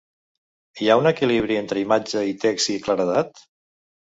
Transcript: Hi ha un equilibri entre imatge i text i claredat?